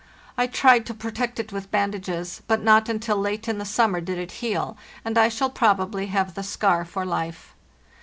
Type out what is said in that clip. I tried to protect it with bandages, but not until late in the summer did it heal, and I shall probably have the scar for life.